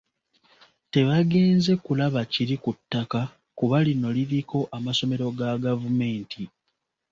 Tebagenze kulaba kiri ku ttaka kuba lino liriko amasomero ga gavumenti.